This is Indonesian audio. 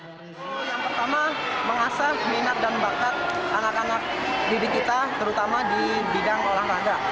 yang pertama mengasah minat dan bakat anak anak didik kita terutama di bidang olahraga